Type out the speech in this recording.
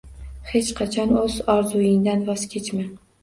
Hech qachon o‘z orzuingdan voz kechma.